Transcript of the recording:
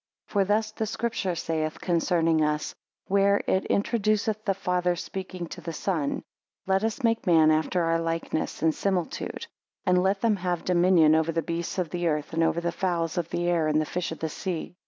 12 For thus the Scripture saith concerning us, where it introduceth the Father speaking to the Son; Let us make man after our likeness and similitude; and let them have dominion over the beasts of the earth, and over the fowls of the air, and the fish of the sea.